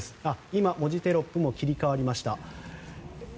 今、文字テロップも切り替わりました。